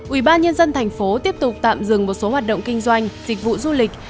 ubnd tp tiếp tục tạm dừng một số hoạt động kinh doanh dịch vụ du lịch